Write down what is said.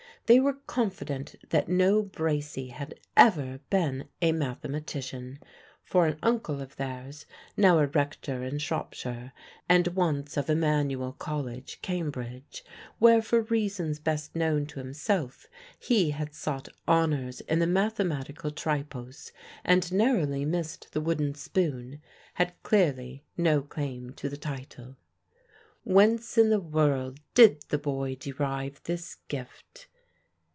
They were confident that no Bracy had ever been a mathematician; for an uncle of theirs, now a rector in Shropshire and once of Emmanuel College, Cambridge, where for reasons best known to himself he had sought honours in the Mathematical Tripos and narrowly missed the Wooden Spoon, had clearly no claim to the title. Whence in the world did the boy derive this gift?